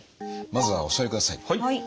まずはお座りください。